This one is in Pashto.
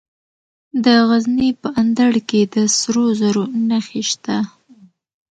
د غزني په اندړ کې د سرو زرو نښې شته.